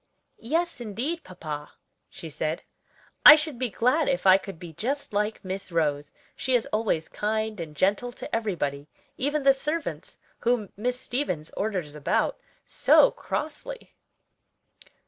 "Yes, indeed, papa," she said, "I should be glad if I could be just like Miss Rose, she is always kind and gentle to everybody; even the servants, whom Miss Stevens orders about so crossly."